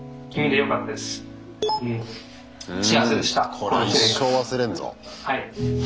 これは一生忘れんぞ。